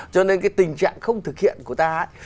cho nên cái tình trạng không thực hiện của ta